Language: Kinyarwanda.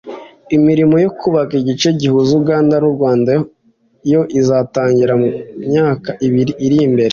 Imirimo yo kubaka igice gihuza Uganda n’u Rwanda yo izatangira mu myaka ibiri iri imbere